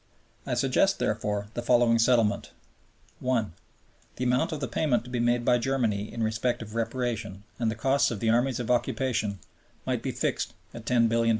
I suggest, therefore, the following settlement: (1) The amount of the payment to be made by Germany in respect of Reparation and the costs of the Armies of Occupation might be fixed at $10,000,000,000.